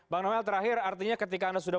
bang noel terakhir artinya ketika anda sudah